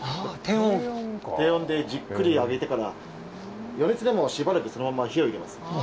低温低温でじっくり揚げてから余熱でもしばらくそのまんま火を入れます